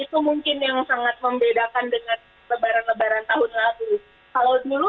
itu mungkin yang sangat membedakan dengan lebaran lebaran tahun lalu kalau dulu